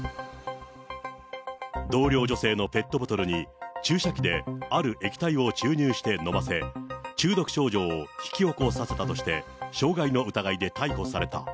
同僚女性のペットボトルに、注射器である液体を注入して飲ませ、中毒症状を引き起こさせたとして、傷害の疑いで逮捕された。